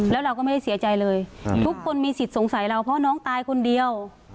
แล้วเราก็ไม่ได้เสียใจเลยทุกคนมีสิทธิ์สงสัยเราเพราะน้องตายคนเดียว